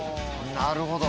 なるほど。